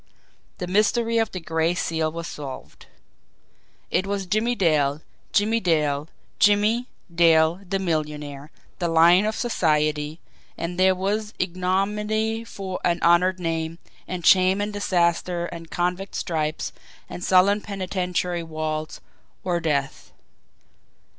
The mystery of the Gray Seal was solved! It was Jimmie Dale, Jimmie Dale, Jimmie, Dale, the millionaire, the lion of society and there was ignominy for an honoured name, and shame and disaster and convict stripes and sullen penitentiary walls or death!